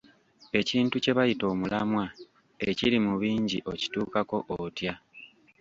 Ekintu kye bayita omulamwa ekiri mu bingi okituukako otya?